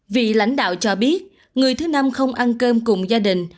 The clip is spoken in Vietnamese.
vị lãnh đạo cho biết người thứ năm không ăn cơm cùng gia đình